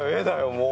もう。